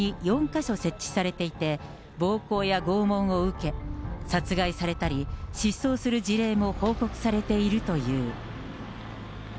か所設置されていて、暴行や拷問を受け、殺害されたり、失踪する事例も報告されているという。